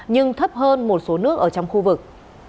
nhưng thấp hơn một số nước ở trong khu vực